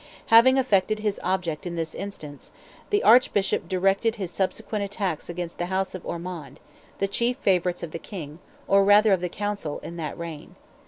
Having effected his object in this instance, the Archbishop directed his subsequent attacks against the House of Ormond, the chief favourites of the King, or rather of the Council, in that reign.